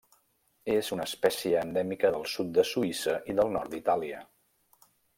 És una espècie endèmica del sud de Suïssa i del nord d'Itàlia.